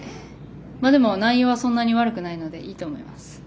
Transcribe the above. でも内容はそんなに悪くないのでいいと思います。